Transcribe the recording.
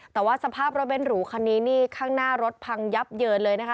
แต่ว่าสภาพรถบรรท์ฝรั่งบรรเบนท์หรูคันนี้นี่ข้างหน้ารถพังยับเหยินเลยนะคะ